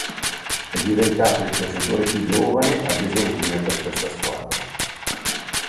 È diventato il calciatore più giovane ad esordire per questa squadra.